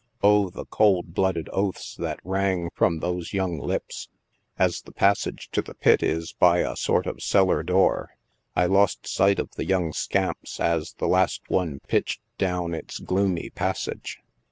0, the cold blooded oaths that rang from those young lips ! As the passage to the pit is by a sort of cellar door, I lost sight of the young scamps as the last one pitched down its gloomy passage.